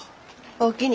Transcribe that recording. おおきに。